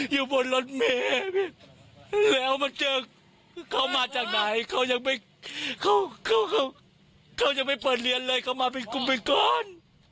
อยู่บนรถเมย์แล้วมาเจอเขามาจากไหนเขายังไม่เขายังไม่เปิดเรียนเลยเขามาเป็นกลุ่มไปก่อน